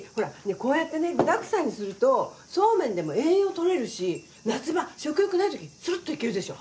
こうやってね具だくさんにするとそうめんでも栄養とれるし夏場食欲ないときツルッといけるでしょ？